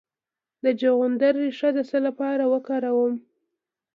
د چغندر ریښه د څه لپاره وکاروم؟